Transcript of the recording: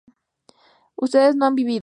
ustedes no han vivido